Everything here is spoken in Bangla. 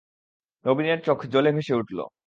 নবীনের চোখ জলে ভেসে উঠল।